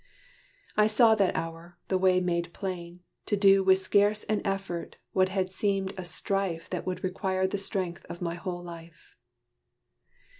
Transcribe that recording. I saw that hour, the way made plain, to do With scarce an effort, what had seemed a strife That would require the strength of my whole life.